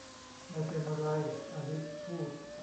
ไม่เป็นไร อลิซพูด